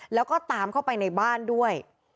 แล้วก็ตามเข้าไปในบ้านด้วย